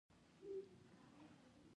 ها چې پر میز پروت دی